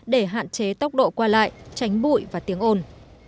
để hạn chế tốc độ qua lại tránh bụi và tiếng ồn